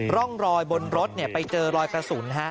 ร่องรอยบนรถไปเจอรอยกระสุน